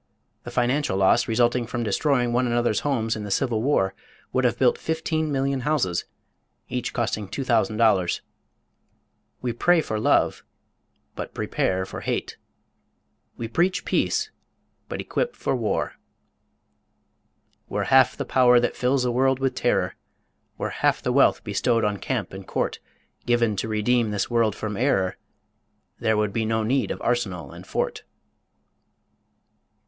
The financial loss resulting from destroying one another's homes in the civil war would have built 15,000,000 houses, each costing $2,000. We pray for love but prepare for hate. We preach peace but equip for war. Were half the power that fills the world with terror, Were half the wealth bestowed on camp and court Given to redeem this world from error, There would be no need of arsenal and fort.